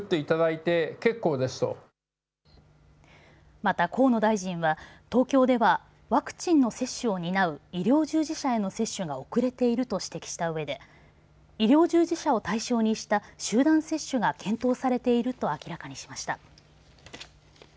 また河野大臣は東京ではワクチンの接種を担う医療従事者への接種が遅れていると指摘した上で医療従事者を対象にした集団接種が検討されていると明らかにしました。